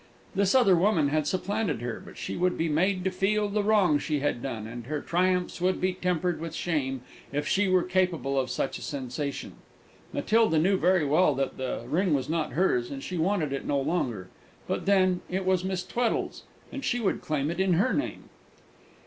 This other woman had supplanted her; but she should be made to feel the wrong she had done, and her triumphs should be tempered with shame, if she were capable of such a sensation. Matilda knew very well that the ring was not hers, and she wanted it no longer; but, then, it was Miss Tweddle's, and she would claim it in her name.